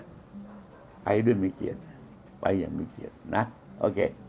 ไอ้รุ่นมีเกียรติไปอย่างมีเกียรตินะโอเค